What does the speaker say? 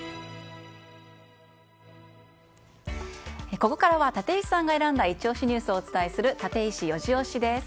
ここからは立石さんが選んだイチ押しニュースをお伝えするタテイシ４時推しです。